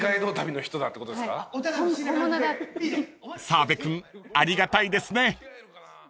［澤部君ありがたいですね］